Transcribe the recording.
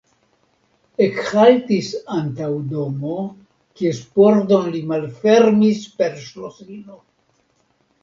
Ekhaltis antaŭ domo, kies pordon li malfermis per ŝlosilo.